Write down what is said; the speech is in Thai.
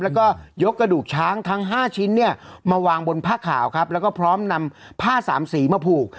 แล้วก็ยกกระดูกช้างทั้ง๕ชิ้นเนี่ยมาวางบนผ้าขาวครับแล้วก็พร้อมนำผ้าสามสีมาผูก